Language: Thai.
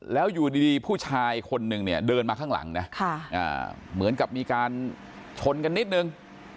แล้วอยู่ดีผู้ชายคนนึงเหมือนกับมีโชคชนกันนิดนึง